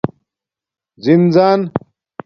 زِن زَن